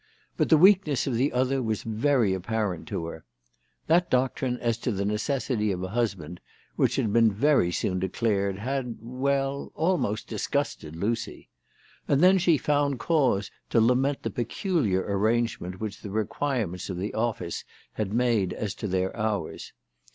But the weakness of the other was very apparent to her. That doctrine as to the necessity of a husband, which had been very soon declared, had, well, almost disgusted Lucy. And then she found cause to lament the peculiar arrangement which the require ments of the office had made as to their hours.